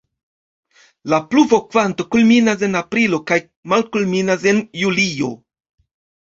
La pluvokvanto kulminas en aprilo kaj malkulminas en julio.